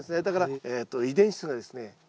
だからえっと遺伝質がですね